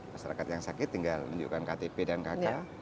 masyarakat yang sakit tinggal nunjukkan ktp dan kk